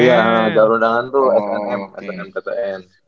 iya jalur undangan itu snmptn